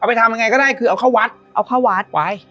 เอาไปทำยังไงก็ได้คือเอาเข้าวัด